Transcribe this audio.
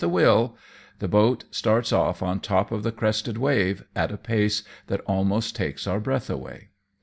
a will/' the boat starts o£f on top of the crested wave, at a pace that almost takes our breath away.